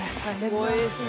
すごいですね。